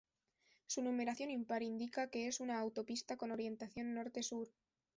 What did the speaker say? Su numeración impar indica que es una autopista con orientación norte-sur.